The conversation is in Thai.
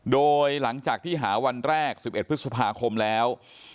โดยหลังจากที่หาวันแรก๑๑พฤษภาคมแล้ว